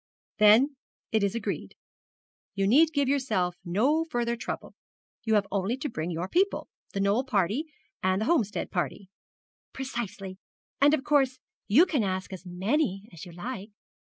'Then it is agreed. You need give yourself no further trouble. You have only to bring your people the Knoll party, and the Homestead party.' 'Precisely. Of course you can ask as many as you like.'